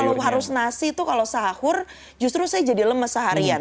kalau harus nasi tuh kalau sahur justru saya jadi lemes seharian